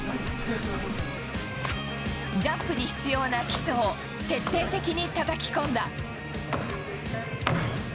ジャンプに必要な基礎を徹底的にたたき込んだ。